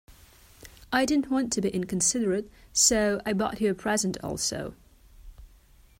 I did not want to be inconsiderate so I bought you a present also.